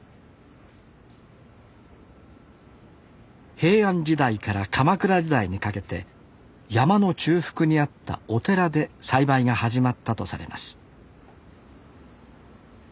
平安時代から鎌倉時代にかけて山の中腹にあったお寺で栽培が始まったとされます